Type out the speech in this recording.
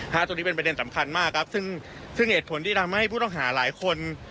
ตรงนี้เป็นประเด็นสำคัญมากครับซึ่งซึ่งเหตุผลที่ทำให้ผู้ต้องหาหลายคน